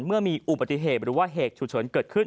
เมื่อมีอุบัติเหตุหรือว่าเหตุฉุกเฉินเกิดขึ้น